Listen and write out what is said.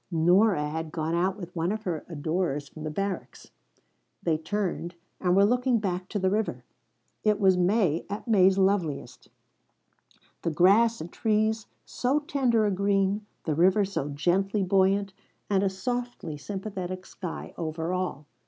Nora had gone out with one of her adorers from the barracks. They turned, and were looking back to the river. It was May at May's loveliest: the grass and trees so tender a green, the river so gently buoyant, and a softly sympathetic sky over all.